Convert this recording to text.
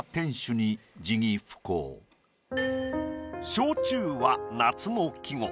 「焼酎」は夏の季語。